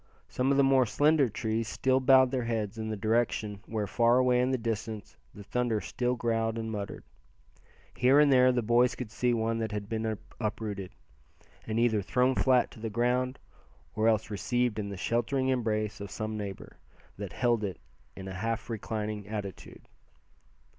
Some of the more slender trees still bowed their heads in the direction where, far away in the distance, the thunder still growled and muttered. Here and there the boys could see one that had been uprooted, and either thrown flat to the ground, or else received in the sheltering embrace of some neighbor, that held it in a half reclining attitude.